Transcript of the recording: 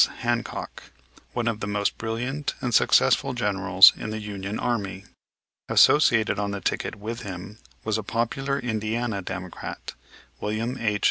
Hancock, one of the most brilliant and successful generals in the Union Army. Associated on the ticket with him was a popular Indiana Democrat, William H.